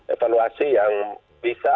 evaluasi yang bisa